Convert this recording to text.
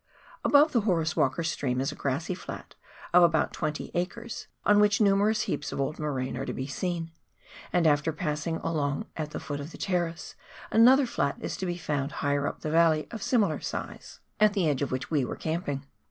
Above the Horace "Walker stream is a grassy flat of about twenty acres, on which numerous heaps of old moraine are to be seen, and after passing along at the foot of a terrace, another fiat is found higher up the valley of smaller size, at the edge R 242 PIONEER WORK IN THE ALPS OF NEW ZEALAND. of which we were camping.